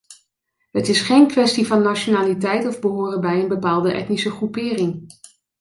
Het is geen kwestie van nationaliteit of behoren bij een bepaalde etnische groepering.